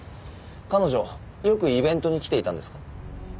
彼女よくイベントに来ていたんですか？